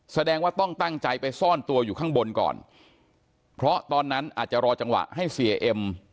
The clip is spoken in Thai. แสดงว่าต้องตั้งใจไปซ่อนตัวอยู่ข้างบนก่อนเพราะตอนนั้นอาจจะรอจังหวะให้เสียเอ็ม